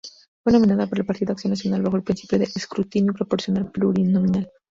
Fue nominada por el Partido Acción Nacional bajo el principio de Escrutinio proporcional plurinominal.